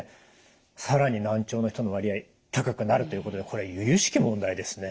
更に難聴の人の割合高くなるということでこれゆゆしき問題ですね。